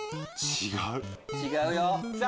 違うよ！